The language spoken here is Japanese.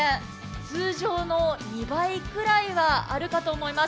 通常の２倍くらいはあるかと思います。